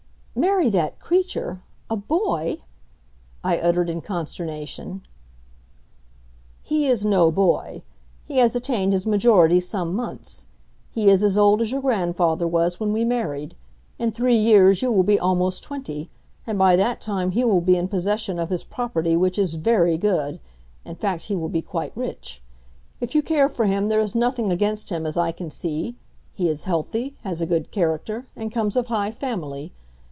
"Marry that creature! A boy!" I uttered in consternation. "He is no boy. He has attained his majority some months. He is as old as your grandfather was when we married. In three years you will be almost twenty, and by that time he will be in possession of his property which is very good in fact, he will be quite rich. If you care for him there is nothing against him as I can see. He is healthy, has a good character, and comes of a high family.